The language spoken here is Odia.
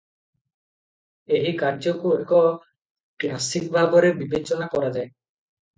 ଏହି କାର୍ଯ୍ୟକୁ ଏକ କ୍ଲାସିକ ଭାବରେ ବିବେଚନା କରାଯାଏ ।